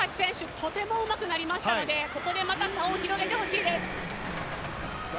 とてもうまくなりましたので、ここで差を広げてほしいです。